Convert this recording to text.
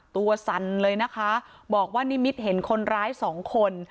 สั่นเลยนะคะบอกว่านิมิตเห็นคนร้ายสองคน